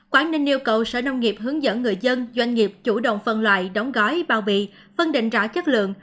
quảng ninh yêu cầu sở nông nghiệp hướng dẫn người dân doanh nghiệp chủ động phân loại đóng gói bao bì phân định rõ chất lượng